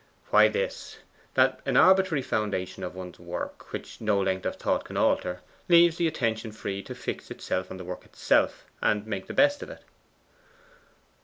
'Why, this: That an arbitrary foundation for one's work, which no length of thought can alter, leaves the attention free to fix itself on the work itself, and make the best of it.